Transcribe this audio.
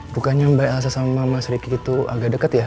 bukannya mbak elsa sama mas ricky itu agak dekat ya